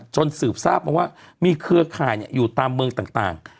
สืบทราบมาว่ามีเครือข่ายอยู่ตามเมืองต่าง